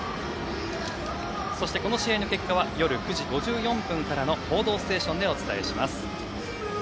そして、この試合の結果は夜９時５４分からの「報道ステーション」でお伝えします。